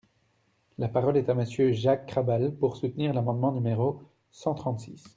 La parole est à Monsieur Jacques Krabal, pour soutenir l’amendement numéro cent trente-six.